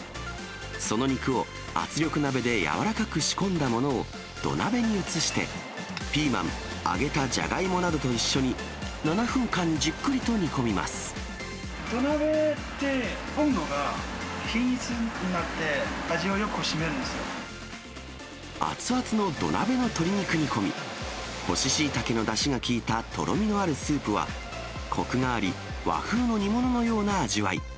その肉を圧力鍋でやわらかく仕込んだものを、土鍋に移して、ピーマン、揚げたジャガイモなどと一緒に７分間じっくりと煮込み土鍋って、温度が均一になっ熱々の土鍋の鶏肉煮込み、干ししいたけのだしが効いたとろみのあるスープは、こくがあり、和風の煮物のような味わい。